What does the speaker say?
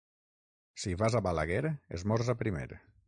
Si vas a Balaguer, esmorza primer.